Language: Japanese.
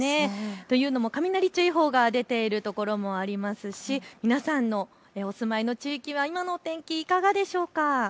というのも雷注意報が出ているところもありますし皆さんのお住まいの地域は今の天気、いかがでしょうか。